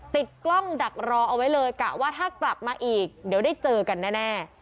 ติดกล้องดักรอเอาไว้เลยกะว่าถ้ากลับมาอีกเดี๋ยวได้เจอกันแน่